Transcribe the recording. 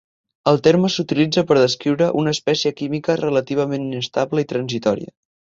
El terme s'utilitza per descriure una espècie química relativament inestable i transitòria.